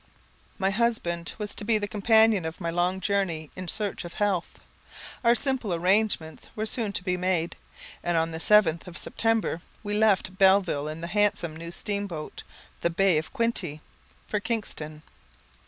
My dear husband was to be the companion of my long journey in search of health. Our simple arrangements were soon made, and on the 7th of September we left Belleville in the handsome new steam boat, "The Bay of Quinte," for Kingston.